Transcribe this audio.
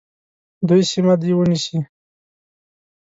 دوی سیمه دي ونیسي.